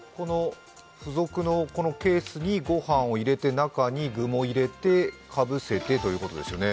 付属のケースにご飯を入れて、中に具も入れてかぶせてということですね。